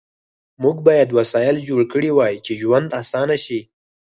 موږ باید وسایل جوړ کړي وای چې ژوند آسانه شي